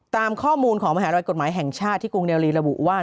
ตามข้อมูลของมหารอยกฎหมายแห่งชาติที่กรุงเนลลีระบุว่า